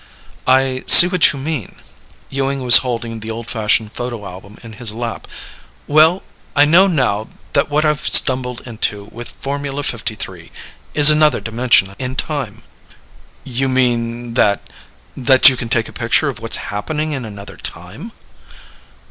"I see what you mean." Ewing was holding the old fashioned photo album in his lap. "Well, I know now that what I've stumbled into with Formula #53 is another dimension in time." "You mean that ... that you can take a picture of what's happening in another time?"